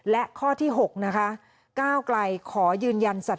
และข้อที่๖ก้าวไกลขอยืนยัน